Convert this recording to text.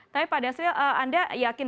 tapi pak dasril anda yakin